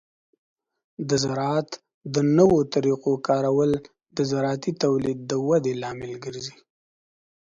د زراعت د نوو طریقو کارول د زراعتي تولید د ودې لامل ګرځي.